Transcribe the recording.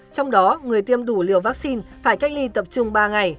trong đó người tiêm đủ liều vaccine phải cách ly tập trung ba ngày